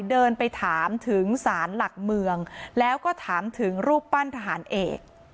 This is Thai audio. เดินไปถามถึงสารหลักเมืองแล้วก็ถามถึงรูปปั้นทหารเอก